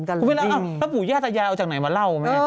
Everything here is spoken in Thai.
ก็ไม่รู้แล้วถ้าปูญาตายายเอาจากไหนมาเล่าไหม